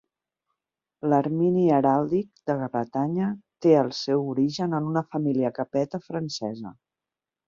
L'ermini heràldic de Bretanya té el seu origen en una família capeta francesa.